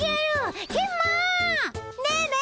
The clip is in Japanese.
ねえねえ！